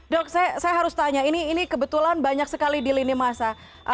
dok saya harus tanya ini kebetulan banyak sekali di lini masa